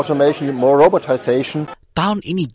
untuk membantu masyarakat di indonesia